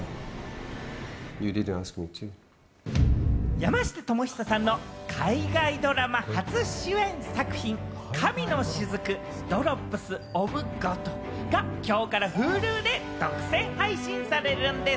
山下智久さんの海外ドラマ初主演作品、『神の雫／ＤｒｏｐｓｏｆＧｏｄ』がきょうからＨｕｌｕで独占配信されるんです。